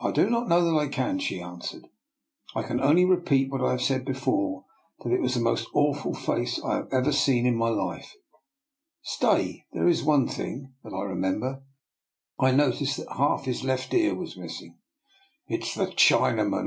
I do not know that I can,*' she answered. I can only repeat what I said before, that it was the most awful face I have ever seen in my life. — Stay, there is one other thing that Il8 DR. NIKOLA'S EXPERIMENT. I remember. I noticed that half his left ear was missing." *' It is the Chinaman!"